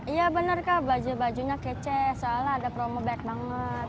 iya bener kak baju bajunya kece soalnya ada promo bag banget